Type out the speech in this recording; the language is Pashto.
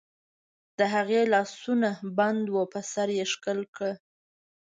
د هغې لاسونه بند وو، په سر یې ښکل کړ.